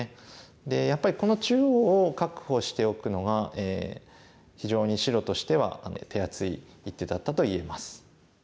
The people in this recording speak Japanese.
でやっぱりこの中央を確保しておくのが非常に白としては手厚い一手だったと言えます。